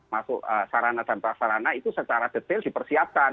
masuk sarana dan prasarana itu secara detail dipersiapkan